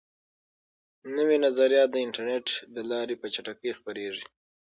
نوي نظریات د انټرنیټ له لارې په چټکۍ خپریږي.